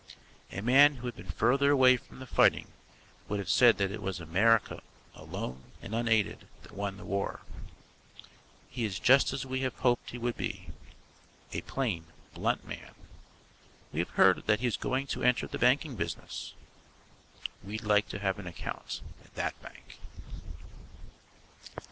A man who had been further away from the fighting would have said that it was America, alone and unaided, that won the war. He is just as we have hoped he would be: a plain, blunt man. We have heard that he is going to enter the banking business. We'd like to have an account at that bank.